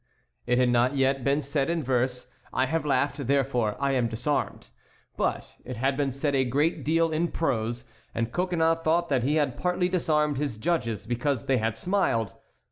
It had not yet been said in verse: "I have laughed, therefore am I disarmed," but it had been said a great deal in prose. And Coconnas thought that he had partly disarmed his judges because they had smiled.